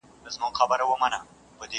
دوه پکه، هغه هم سره ورکه.